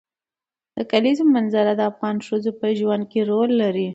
د کلیزو منظره د افغان ښځو په ژوند کې رول لري.